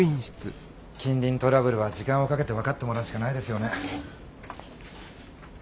近隣トラブルは時間をかけて分かってもらうしかないですよね。